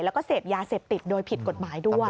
แล้วก็เสพยาเสพติดโดยผิดกฎหมายด้วย